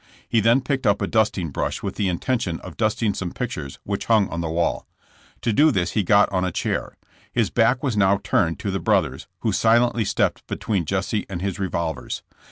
He then picked up a dusting brush with the intention of dust ing some pictures which hung on the w^all. To do this he got on a chair. His back was now turned to the brothers, who silently stepped between Jesse and his revolvers.